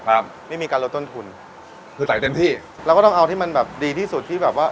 ครับนี่มีการลดต้นทุนคือใส่เต็มที่เราก็ต้องเอาที่มันแบบดีที่สุดที่แบบว่า